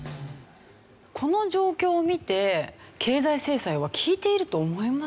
この状況を見て経済制裁は効いていると思いますか？